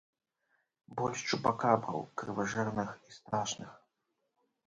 Больш чупакабраў, крыважэрных і страшных!